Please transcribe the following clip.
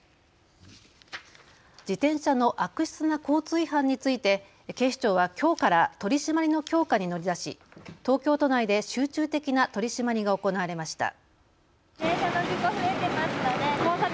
自転車の悪質な交通違反について警視庁はきょうから取締りの強化に乗り出し、東京都内で集中的な取締りが行われました。